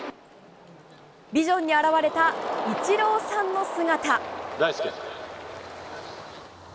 ビジョンに現れたイチローさんの姿。